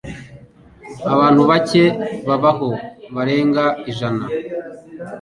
Abantu bake babaho barenga ijana.